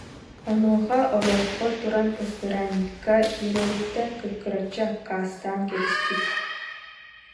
Онуоха Оройко туран ыспыраанньыкка киирэриттэн кыккыраччы аккаастаан кэбиспит